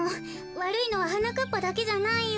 わるいのははなかっぱだけじゃないよ。